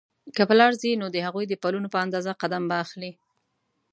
که پر لاره ځې نو د هغوی د پلونو په اندازه قدم به اخلې.